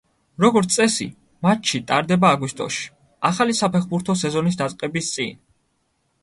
როგორც წესი, მატჩი ტარდება აგვისტოში, ახალი საფეხბურთო სეზონის დაწყების წინ.